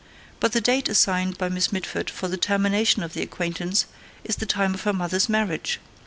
But the date assigned by Miss Mitford for the termination of the acquaintance is the time of her mother's marriage.